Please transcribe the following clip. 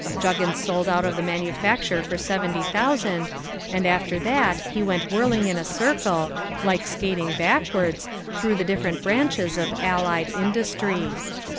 Juggins sold out of the manufacture for seventy thousand, and after that he went whirling in a circle, like skating backwards, through the different branches of allied industry.